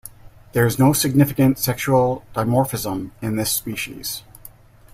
There is no significant sexual dimorphism in this species.